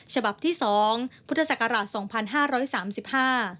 ฉบับที่๒พุทธศักราช๒๕๓๕